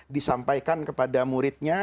disampaikan kepada muridnya